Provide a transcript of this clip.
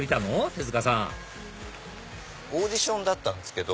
手塚さんオーディションだったんですけど。